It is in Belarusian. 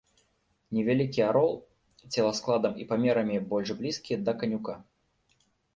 Невялікі арол, целаскладам і памерамі больш блізкі да канюка.